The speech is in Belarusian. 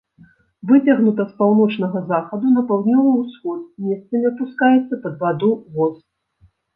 Выцягнута з паўночнага захаду на паўднёвы ўсход, месцамі апускаецца пад ваду воз.